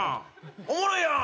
おもろいやん！